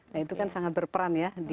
nah itu kan sangat berperan ya